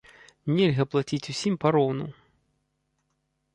Нельга плаціць усім пароўну.